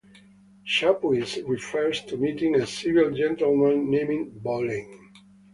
Chapuys refers to meeting "a civil gentleman named Boleyn".